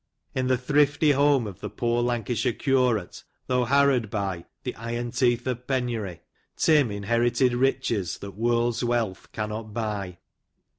In the thrifty home of the poor Lancashire curate, though harrowed by " the iron teeth of penury," Tim inherited riches that world's wealth cannot buy.